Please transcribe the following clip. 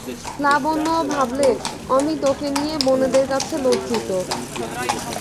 লাবণ্যও ভাবলে, অমিত ওকে নিয়ে বোনেদের কাছে লজ্জিত।